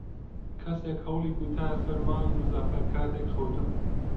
کەسێک هەڵی کوتایە سەر ماڵی مزەفەر کاتێک خەوتبوو.